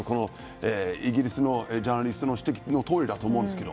イギリスのジャーナリストの指摘のとおりだと思うんです。